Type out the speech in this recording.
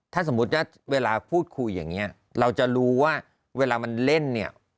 ถ้าสมมุติว่าเวลาพูดคุยอย่างนี้เราจะรู้ว่าเวลามันเล่นเนี่ย